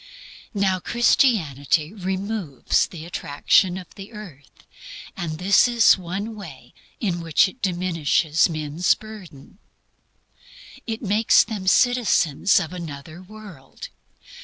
Now Christianity removes the attraction of the earth; and this is one way in which it diminishes man's burden. It makes them citizens of another world.